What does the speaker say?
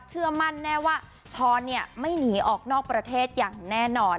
เชื่อมั่นแน่ว่าช้อนไม่หนีออกนอกประเทศอย่างแน่นอน